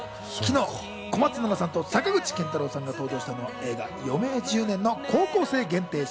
昨日、小松菜奈さんと坂口健太郎さんが登場したのは映画『余命１０年』の高校生限定